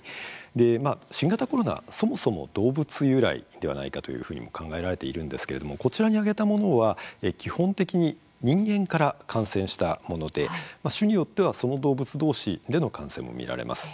新型コロナ、そもそも動物由来ではないかというふうにも考えられているんですけれどもこちらに挙げたのは基本的に人間から感染したもので種によってはその動物どうしでの感染も見られます。